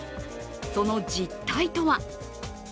その実態とは。